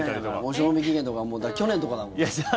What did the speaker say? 賞味期限とかだって去年とかだもん。